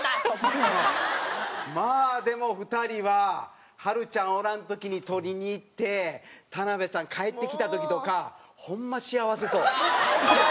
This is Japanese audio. まあでも２人ははるちゃんおらん時に取りに行って田辺さん帰ってきた時とかホンマ幸せそう。